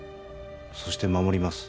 そして守ります